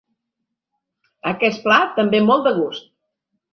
Aquest plat em ve molt de gust.